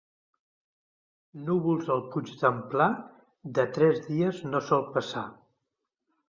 Núvols al puig d'en Pla, de tres dies no sol passar.